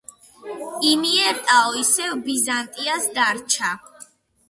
იმიერტაო ისევ ბიზანტიას დარჩა.